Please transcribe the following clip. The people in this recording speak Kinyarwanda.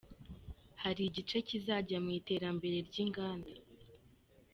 Hari igice kizajya mu iterambere ry’inganda